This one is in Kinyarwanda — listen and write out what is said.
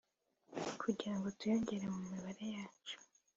kugirango tuyongere mu mibanire yacu